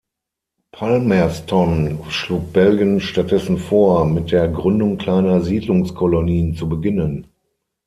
Palmerston schlug Belgien stattdessen vor, mit der Gründung kleiner Siedlungskolonien zu beginnen.